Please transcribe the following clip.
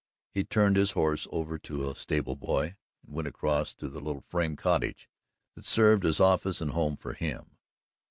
He turned his horse over to a stable boy and went across to the little frame cottage that served as office and home for him.